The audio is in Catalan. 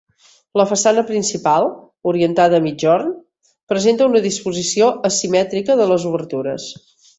La façana principal, orientada al migjorn, presenta una disposició asimètrica de les obertures.